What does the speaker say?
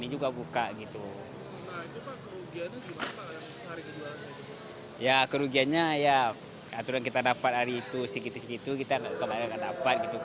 ya kerugiannya ya aturan kita dapat hari itu segitu segitu kita kemarin nggak dapat